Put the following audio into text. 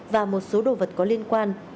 và một số đồ vật có liên quan